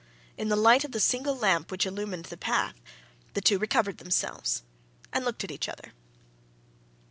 In the light of the single lamp which illumined the path, the two recovered themselves and looked at each other.